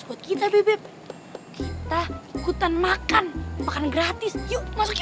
berarti aku juga ngomelin pacarnya mama itu